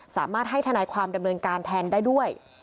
สามารถให้ทนายความดำเนินการแทนได้ด้วย